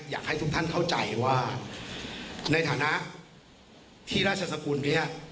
อยากให้ทุกท่านเข้าใจว่าในฐานะที่ราชสกุลเนี่ย